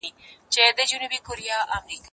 کتابونه لوستل کړه!.